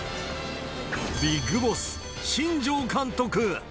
ビッグボス、新庄監督。